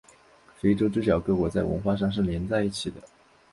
非洲之角各国在文化上是连在一起的。